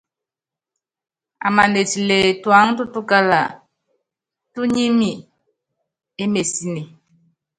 Amana etile tuáŋtutukála, túnyími émesine.